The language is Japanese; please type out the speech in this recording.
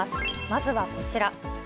まずはこちら。